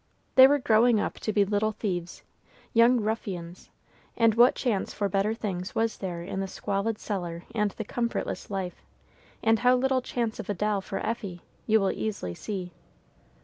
They were growing up to be little thieves, young ruffians, and what chance for better things was there in the squalid cellar and the comfortless life, and how little chance of a doll for Effie, you will easily see.